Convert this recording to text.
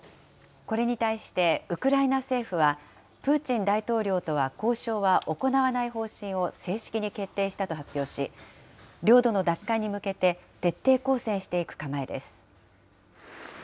これに対して、ウクライナ政府は、プーチン大統領とは交渉は行わない方針を正式に決定したと発表し、領土の奪還に向けて、徹底抗戦していく構えです。